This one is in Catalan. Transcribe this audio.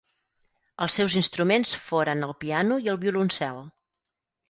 Els seus instruments foren el piano i el violoncel.